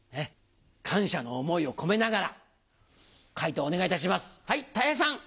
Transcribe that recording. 感謝の思いを込めながら、回答をお願いいたします。